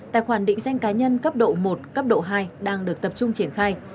tài khoản định danh cá nhân cấp độ một cấp độ hai đang được tập trung triển khai